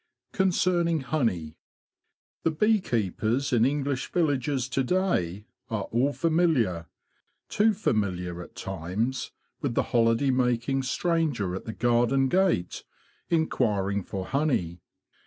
CONCERNING HONEY "THE bee keepers in English villages to day are all familiar—too familiar at times—with the holiday making stranger at the garden gate inquiring for honey.